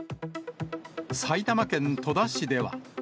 埼玉県戸田市では。